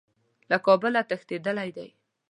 له کابله تښتېدلی دی.